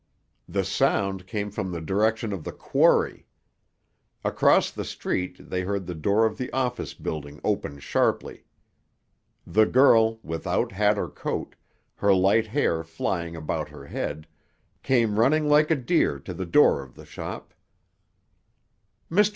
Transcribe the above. The sound came from the direction of the quarry. Across the street they heard the door of the office building open sharply. The girl, without hat or coat, her light hair flying about her head, came running like a deer to the door of the shop. "Mr.